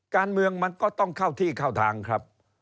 การเมืองมันก็ต้องเข้าที่เข้าทางครับ